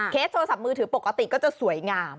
โทรศัพท์มือถือปกติก็จะสวยงาม